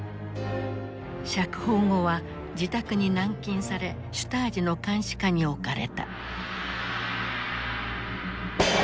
釈放後は自宅に軟禁されシュタージの監視下に置かれた。